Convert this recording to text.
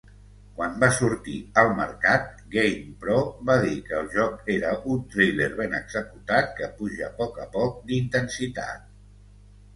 Quan va sortir al mercat, "GamePro" va dir que el joc era un "thriller ben executat que puja poc a poc d'intensitat".